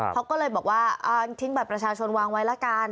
เขาก็เลยบอกว่าทิ้งบัตรประชาชนวางไว้ละกัน